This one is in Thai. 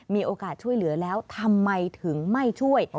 มีโอกาสช่วยเหลือแล้วทำไมถึงไม่ช่วย